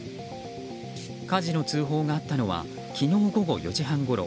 火事の通報があったのは昨日午後４時半ごろ。